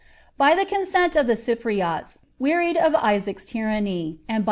By the consent of t] wearied of Isaac^s tyranny, and by i!)